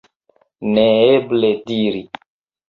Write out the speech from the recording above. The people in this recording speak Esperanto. Neeble diri.